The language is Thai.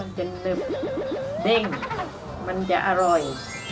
มันจะเติบเด้งมันจะอร่อย